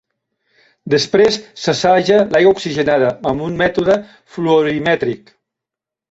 Després s'assaja l'aigua oxigenada amb un mètode fluorimètric.